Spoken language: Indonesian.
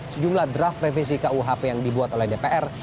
sejumlah draft revisi kuhp yang dibuat oleh dpr